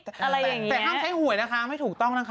แล้วยังไงอย่างนี้แต่ห้ามใช้หวยนะคะไม่ถูกต้องนะคะ